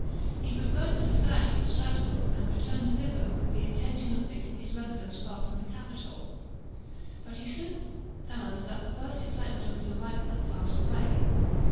He preferred the society of Strasbourg, and returned thither with the intention of fixing his residence far from the capital. But he soon found that the first excitement of his arrival had passed away.